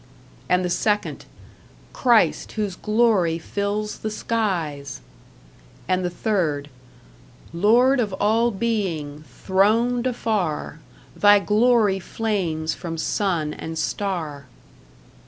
And the second Christ, whose glory fills the skies And the third Lord of all being, throned afar, Thy glory flames from sun and star.